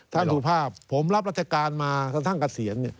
ท่านสูตรภาพผมรับรัฐกาลมาท่านท่านเกษียณ